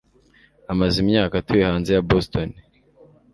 amaze imyaka atuye hanze ya Boston.